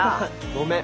ごめん。